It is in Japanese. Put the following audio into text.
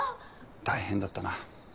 大変だったな。